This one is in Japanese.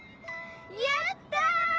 やった！